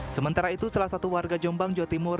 sementara itu salah satu warga jombang jawa timur